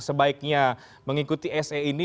sebaiknya mengikuti ese ini